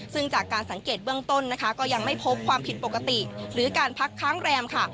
ซึ่งจากการสังเกตเบื้องต้นนะคะก็ยังไม่พบความผิดปกติหรือการพักค้างแรมค่ะ